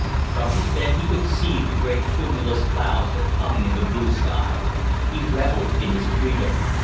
From his bed he could see the great cumulus clouds that hung in the blue sky. He revelled in his freedom.